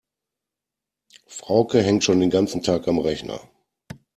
Frauke hängt schon den ganzen Tag am Rechner.